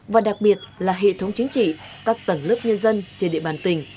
và đặc biệt là hệ thống chính trị các tầng lớp nhân dân trên địa bàn tỉnh